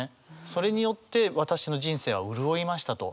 それによって私の人生は潤いましたと。